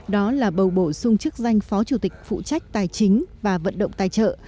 đó là bầu bổ sung chức danh phó chủ tịch phụ trách tài chính và vận động tài trợ